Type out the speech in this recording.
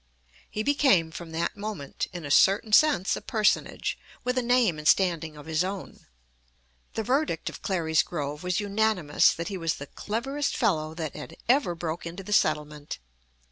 He became from that moment, in a certain sense, a personage, with a name and standing of his own. The verdict of Clary's Grove was unanimous that he was "the cleverest fellow that had ever broke into the settlement."